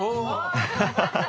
ハハハハ！